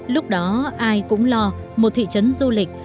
lúc đó ai cũng lo một thị trấn du lịch